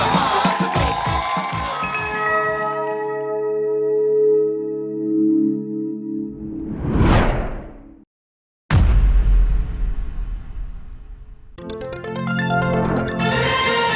สวัสดีครับ